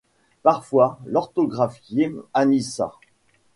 Parfois orthographié Anissa.